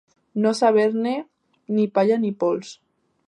No saber-ne ni palla ni pols.